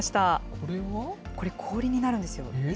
これ、氷になるんですよ。